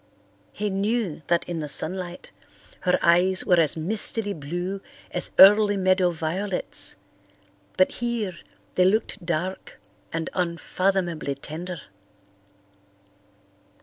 He knew that in the sunlight her eyes were as mistily blue as early meadow violets, but here they looked dark and unfathomably tender.